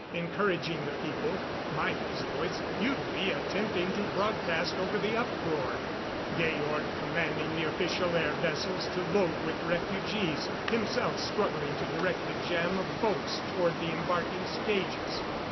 Encouraging the people. Maida's voice, futilely attempting to broadcast over the uproar. Georg commanding the official air vessels to load with refugees; himself struggling to direct the jam of boats toward the embarking stages.